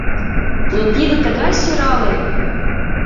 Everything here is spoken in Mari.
— Но тиде тыгай сӧрале!